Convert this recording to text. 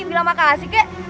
bilang makasih kek